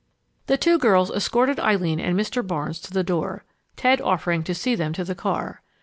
The two girls escorted Eileen and Mr. Barnes to the door, Ted offering to see them to the car.